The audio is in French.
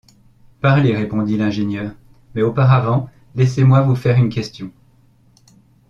Parlez, répondit l’ingénieur ; mais auparavant, laissez-moi vous faire une question.